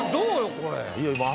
これ。